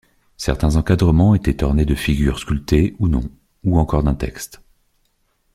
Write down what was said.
Certains encadrements étaient ornés de figures sculptées ou non, ou encore d'un texte.